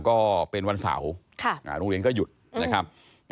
ก็เป็นวันเสาร์โรงเรียนก็หยุดนะครับ